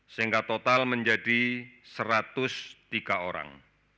sehingga total menjadi satu ratus tiga orang